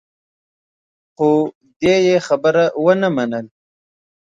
خو دې يې خبره ونه منله.